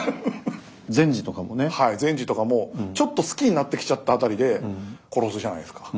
善児とかもちょっと好きになってきちゃった辺りで殺すじゃないですか。